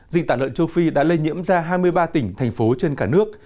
dịch tả lợn châu phi đã lây nhiễm ra hai mươi ba tỉnh thành phố trên cả nước